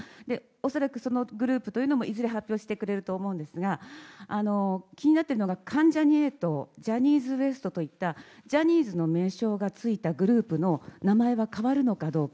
恐らく、そのグループというのもいずれ発表してくれると思うんですが気になっているのが、関ジャニ∞ジャニーズＷＥＳＴといったジャニーズの名称がついたグループの名前は変わるのかどうか。